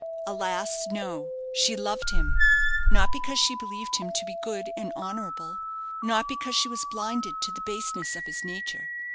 Alas, no! she loved him. Not because she believed him to be good and honourable not because she was blinded to the baseness of his nature.